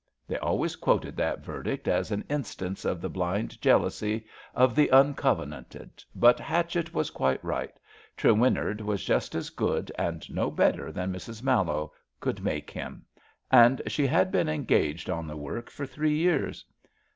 '' They always quoted that verdict as an instance of the blind jealousy of the Uncovenanted, but Hatchett was quite right. Trewinnard was just as good and no better than Mrs. Mallowe could make him; and she had been engaged on the work for three years.